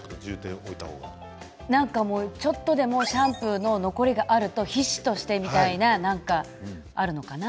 なんか、ちょっとでもシャンプーの残りがあると皮脂としてみたいなあるのかな？